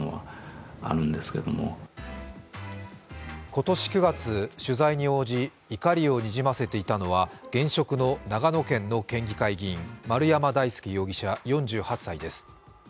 今年９月取材に応じ怒りをにじませていたのは現職の長野県議会の議員丸山大輔容疑者４８歳です。